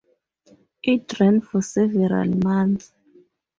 It ran for several months.